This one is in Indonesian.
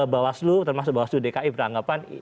bawaslu termasuk bawaslu dki beranggapan